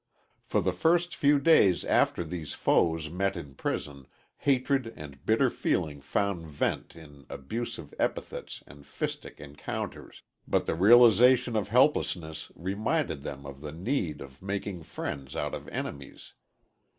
For the first few days after these foes met in prison, hatred and bitter feeling found vent in abusive epithets and fistic encounters, but the realization of helplessness reminded them of the need of making friends out of enemies.